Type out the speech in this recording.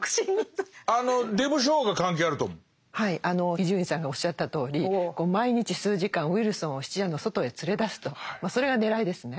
伊集院さんがおっしゃったとおり毎日数時間ウィルソンを質屋の外へ連れ出すとそれが狙いですね。